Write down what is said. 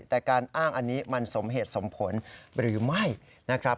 แต่การอ้างอันนี้มันสมเหตุสมผลหรือไม่นะครับ